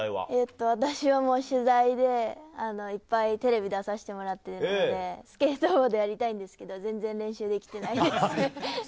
取材でいっぱいテレビに出させてもらっているのでスケートボードやりたいんですけど全然練習できてないです。